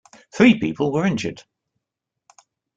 Three people were injured.